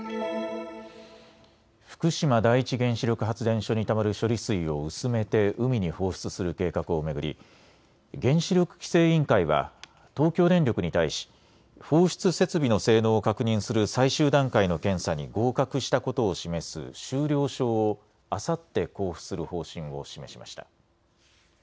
福島第一原子力発電所にたまる処理水を薄めて海に放出する計画を巡り原子力規制委員会は東京電力に対し放出設備の性能を確認する最終段階の検査に合格したことを示す終了証をあさって交付する方針を示しました。